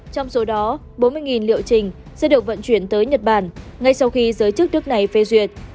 trong số đó bốn mươi liệu trình sẽ được vận chuyển tới nhật bản ngay sau khi giới chức nước này phê duyệt